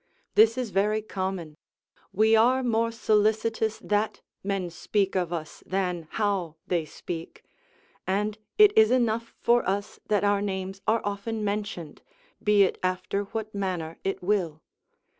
This is very common; we are more solicitous that men speak of us, than how they speak; and it is enough for us that our names are often mentioned, be it after what manner it will.